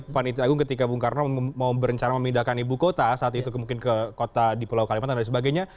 panitia agung ketika bung karno mau berencana memindahkan ibu kota saat itu mungkin ke kota di pulau kalimantan dan sebagainya